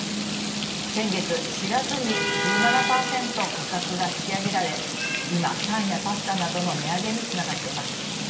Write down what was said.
先月４月に１７％価格が引き上げられ今、パンやパスタなどの値上げにつながっています。